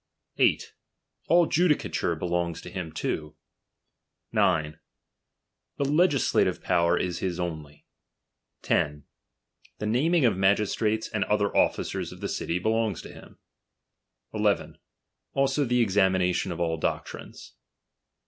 8. All judicature belongs to him too. 9. The legisla tive power is hia only. 10, The naming of magistrates and other officers of the city lielongs to him. 11. Also the exami nation of all doctrines.